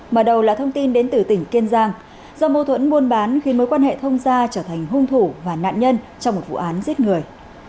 mở đầu là thông tin đến từ tỉnh kiên giang do mâu thuẫn buôn bán khi mối quan hệ thông gia trở thành hung thủ và nạn nhân trong một vụ án giết người